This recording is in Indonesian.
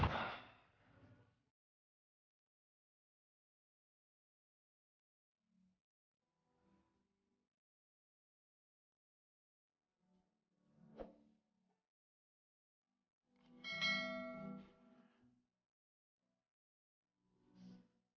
pergi kamu dari sini